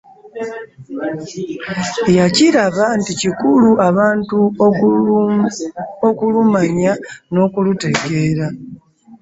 Yakiraba nti kikulu abantu okulumanya n'okulutegeera.